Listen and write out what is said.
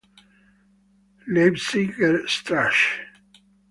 Leipziger Straße